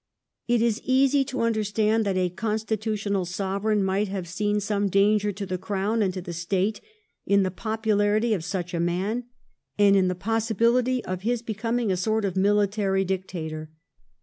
It is easy to understand that a constitutional Sovereign might have seen some danger to the Crown and to the State in the popularity of such a man, and in the possibihty of his becoming a sort of military dictator.